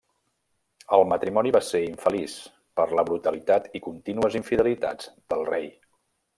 El matrimoni va ser infeliç, per la brutalitat i contínues infidelitats del rei.